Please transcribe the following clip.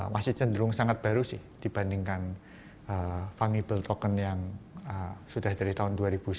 masih cenderung sangat baru sih dibandingkan fungible token yang sudah dari tahun dua ribu sembilan